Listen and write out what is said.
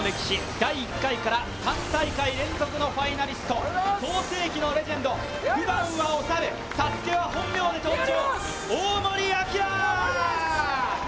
第１回から３大会連続のファイナリスト、創成期のレジェンド、ふだんはおさる、ＳＡＳＵＫＥは本名で登場。